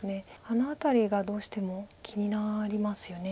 あの辺りがどうしても気になりますよね。